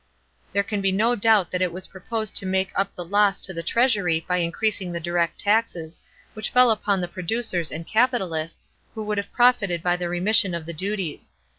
There can be no doubt that it was proposed to make up the loss to the treasury by increasing the direct taxes, which fell upon the pro ducers and capitalists, who would have profited by the remission of the duties.